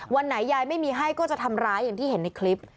วันไหนยายไม่มีให้ก็จะทำร้ายอย่างที่เห็นในคลิป